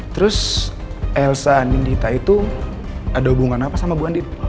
terus elsa andin dita itu ada hubungan apa sama bu andin